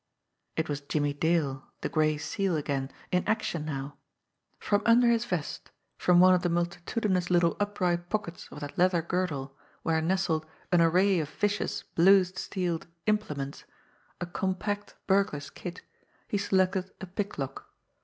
It was Jimmie Dale, the Gray Seal again, in action now. From under his vest, from one of the multitudinous little upright pockets of that leather girdle where nestled an array of vicious blued steel implements, a compact burglar's kit, he selected a pick lock.